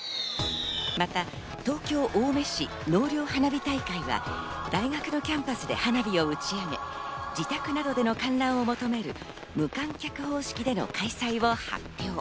また東京青梅市納涼花火大会は、大学のキャンパスで花火を打ち上げ、自宅などでの観覧を求める、無観客方式での開催を発表。